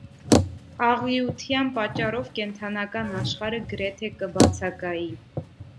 Աղիութեան պատճառով կենդանական աշխարհը գրեթէ կը բացակայի։